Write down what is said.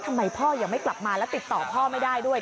ทำไมพ่อยังไม่กลับมาแล้วติดต่อพ่อไม่ได้ด้วย